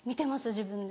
自分で。